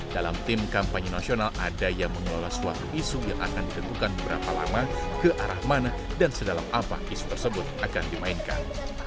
dalam tim kampanye nasional ada yang mengelola suatu isu yang akan ditentukan berapa lama ke arah mana dan sedalam apa isu tersebut akan dimainkan